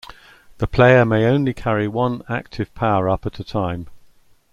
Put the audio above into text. The player may only carry one active power-up at a time.